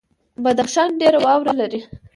بدخشان ډیره واوره لري